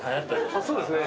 そうですね。